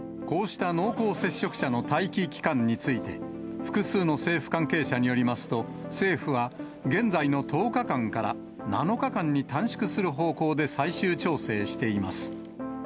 こうした濃厚接触者の待期期間について、複数の政府関係者によりますと、政府は現在の１０日間から７日間に短縮する方向で最終調整しています。